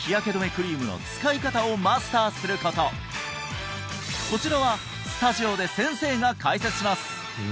クリームの使い方をマスターすることこちらはスタジオで先生が解説します